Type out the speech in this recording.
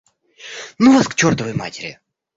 Ну вас к чертовой матери